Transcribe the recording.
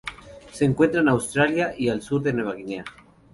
Se encuentra en Australia y al sur de Nueva Guinea.